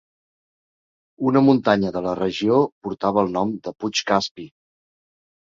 Una muntanya de la regió portava el nom de puig Caspi.